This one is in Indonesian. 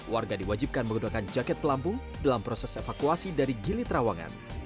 warga diwajibkan menggunakan jaket pelampung dalam proses evakuasi dari gili trawangan